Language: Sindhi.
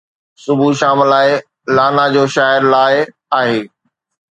صبح شام لاءِ آهي، لانا جوشائر لاءِ آهي